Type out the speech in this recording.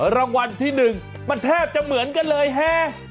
รางวัลที่๑มันแทบจะเหมือนกันเลยฮะ